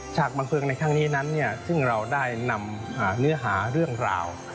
ฉกบันเทิงในครั้งนี้นั้นซึ่งเราได้นำเนื้อหาเรื่องราว